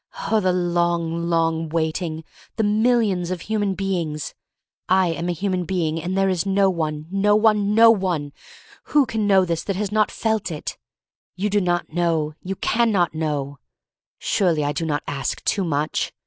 Oh, the long, long waiting! The millions of human beings! I am a human being and there is no one — no one — no one. Who can know this that has not felt it? You do not know — you can not know. Surely I do not ask too much.